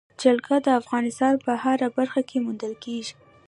جلګه د افغانستان په هره برخه کې موندل کېږي.